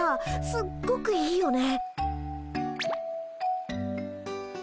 すっごくいいよね。